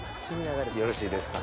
よろしいですか？